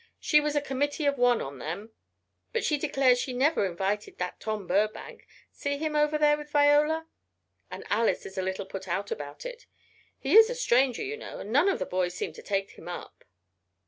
"She was a committee of one on them. But she declares she never invited that Tom Burbank, see him over there with Viola? And Alice is a little put out about it. He is a stranger, you know, and none of the boys seem to take him up."